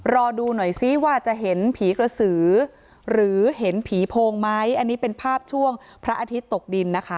รอดูหน่อยซิว่าจะเห็นผีกระสือหรือเห็นผีโพงไหมอันนี้เป็นภาพช่วงพระอาทิตย์ตกดินนะคะ